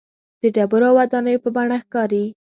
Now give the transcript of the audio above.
د ډبرو او ودانیو په بڼه ښکاري.